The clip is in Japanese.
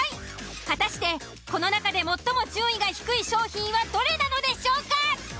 果たしてこの中で最も順位が低い商品はどれなのでしょうか。